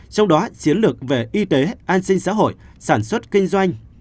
trong đó chiến lược về y tế an sinh xã hội sản xuất kinh doanh